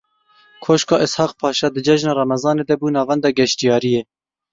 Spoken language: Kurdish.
Koşka Ishak Paşa di Cejna Remezanê de bû navenda geştyariyê.